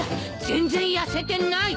全然痩せてない。